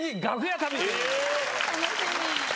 楽しみ！